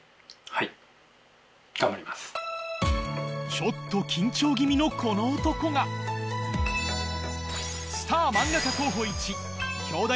ちょっと緊張気味のこの男がスター漫画家候補